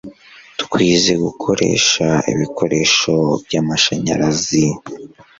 twize gukoresha ibikoresho by amashanyarazi